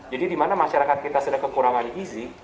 jadi di mana masyarakat kita sudah kekurangan gizi